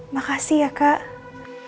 makasih ya kak